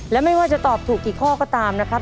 และไม่ว่าจะตอบถูกกี่ข้อก็ตามนะครับ